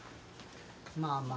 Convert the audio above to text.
まあまあ。